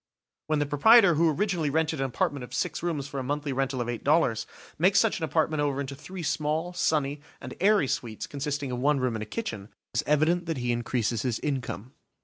When the proprietor who originally rented an apartment of six rooms for a monthly rental of eight dollars, makes such an apartment over into three small, sunny, and airy suites consisting of one room and a kitchen, it is evident that he increases his income.